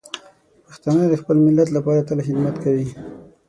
پښتانه د خپل ملت لپاره تل خدمت کوي.